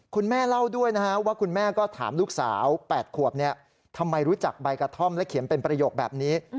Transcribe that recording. คุณแม่เล่าด้วยนะฮะว่าคุณแม่ก็ถามลูกสาว๘ขวบทำไมรู้จักใบกระท่อมและเขียนเป็นประโยคแบบนี้